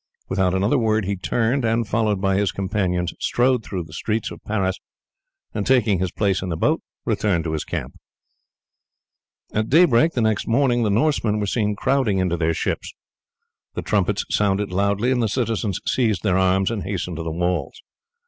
Without another word he turned, and followed by his companions, strode through the streets of Paris, and taking his place in the boat returned to his camp. At daybreak the next morning the Norsemen were seen crowding into their ships. The trumpets sounded loudly, and the citizens seized their arms and hastened to the walls.